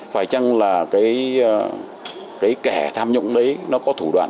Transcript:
phải chăng là cái kẻ tham nhũng đấy nó có thủ đoạn